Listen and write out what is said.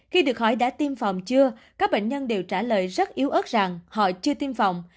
khi được hỏi đã tiêm phòng chưa các bệnh nhân đều trả lời rất yếu ớt rằng họ chưa tiêm phòng